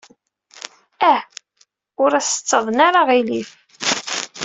Ah, ur as-ttaḍen ara aɣilif.